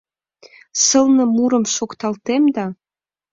Сылне мурым шокталтем да